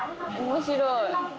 面白い。